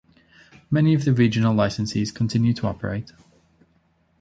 Many of the regional licensees continue to operate.